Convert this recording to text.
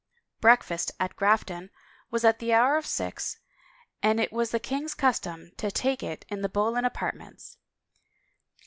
Breakfast at Grafton was at the hour of sixi^and it was the king's custom to take it in the Boleyn apart ments.